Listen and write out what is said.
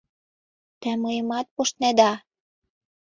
Те мыйымат пуштнеда!